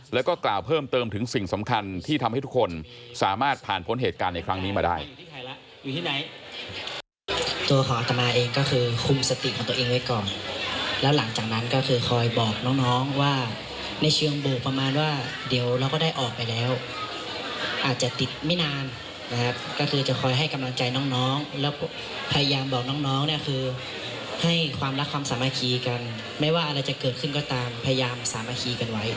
แล้วก็กล่าวเพิ่มเติมถึงสิ่งสำคัญที่ทำให้ทุกคนสามารถผ่านพ้นเหตุการณ์ในครั้งนี้มาได้